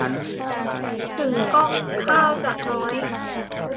ถึงก่องข้าวจะน้อย